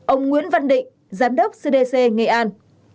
ông nguyễn văn định giám đốc cdc nghệ an